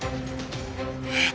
えっ！？